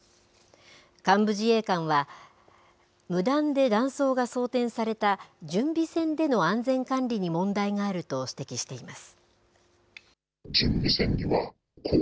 幹部自衛官は、無断で弾倉が装填された準備線での安全管理に問題があると指摘しています。